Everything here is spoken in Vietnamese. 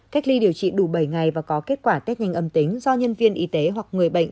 cách ly điều trị đủ bảy ngày và có kết quả test nhanh âm tính do nhân viên y tế hoặc người bệnh